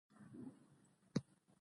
د باور بیا رغول وخت غواړي